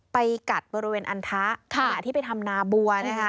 ไปกัดบริเวณอันทะที่ไปทำนาบัว